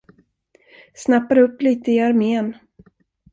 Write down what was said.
Snappade upp lite i armén.